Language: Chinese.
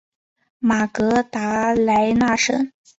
马格达莱纳省。